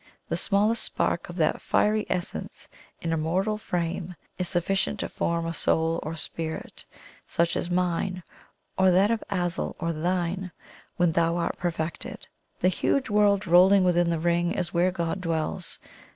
The smallest spark of that fiery essence in a mortal frame is sufficient to form a soul or spirit, such as mine, or that of Azul, or thine, when thou art perfected. The huge world rolling within the Ring is where God dwells.